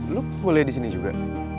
lo boleh disini juga